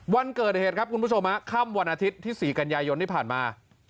วันเกิดเหตุครับคุณผู้ชมฮะค่ำวันอาทิตย์ที่๔กันยายนที่ผ่านมา